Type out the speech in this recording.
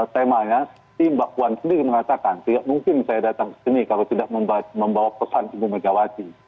temanya mbak puan sendiri mengatakan tidak mungkin saya datang ke sini kalau tidak membawa pesan ibu megawati